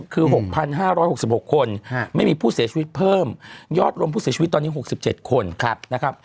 คือ๖๕๖๖คนไม่มีผู้เสียชีวิตเพิ่มยอดรวมผู้เสียชีวิตตอนนี้๖๗คนนะครับ